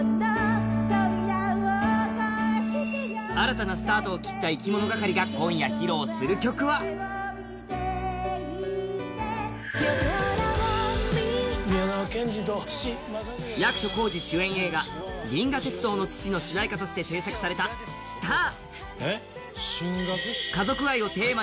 新たなスタートを切ったいきものがかりが今夜披露する曲は役所広司主演の映画「銀河鉄道の父」の主題歌として制作された「ＳＴＡＲ」。